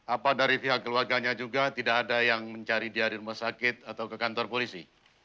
apa dari pihak keluarganya juga tidak ada yang mencari dia di rumah sakit atau ke kantor polisi